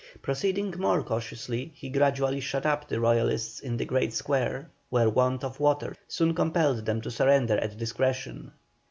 Proceeding more cautiously, he gradually shut up the Royalists in the great square, where want of water soon compelled them to surrender at discretion.